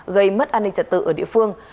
gây mất an ninh trật tự ở địa phương